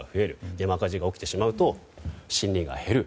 山火事が起きてしまうと森林が減る。